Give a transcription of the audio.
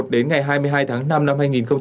đến ngày hai mươi hai tháng năm năm hai nghìn hai mươi